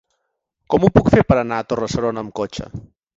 Com ho puc fer per anar a Torre-serona amb cotxe?